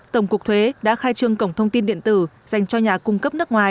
tổng cục thuế đã khai trương cổng thông tin điện tử dành cho nhà cung cấp nước ngoài